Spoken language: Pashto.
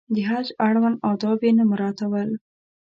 د حج اړوند آداب یې نه مراعاتول.